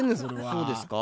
そうですか？